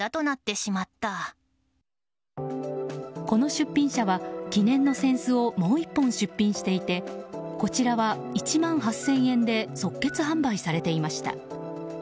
この出品者は、記念の扇子をもう１本出品していてこちらは１万８０００円で即決販売されていました。